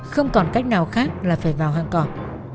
không còn cách nào khác là phải vào hàng cọp